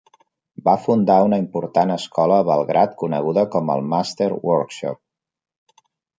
Va fundar una important escola a Belgrad coneguda com el "Master Workshop".